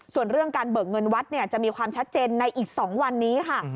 ส่วนเรื่องการเบิกเงินวัดจะมีความชัดเจนในอีก๒วันนี้ค่ะ